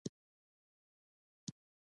څنګه کولی شم د ماشومانو لپاره د جنت نهرونه وښایم